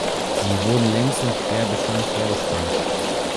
Sie wurden längs und quer beschränkt vorgespannt.